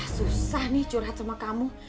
susah nih curhat sama kamu